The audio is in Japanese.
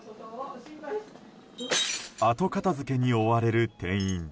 後片付けに追われる店員。